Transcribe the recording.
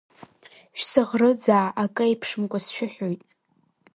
Шәсыӷрыӡаа, акы еиԥшымкәа сшәыҳәоит.